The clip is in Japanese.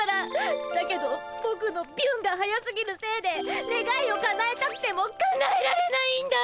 だけどぼくのビュンが速すぎるせいでねがいをかなえたくてもかなえられないんだ！